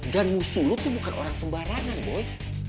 dan musuh lo tuh bukan orang sembarangan boy